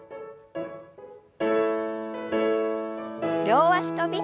両脚跳び。